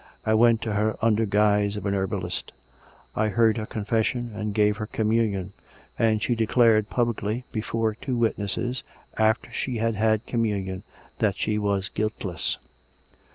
" I went to her under guise of a herbalist: I heard her confes sion and gave her communion; and she declared publicly, before two witnesses, after she had had communion, that she was guiltless."